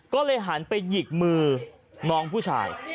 ก็เลยหันไปหยิกมือน้องผู้ชาย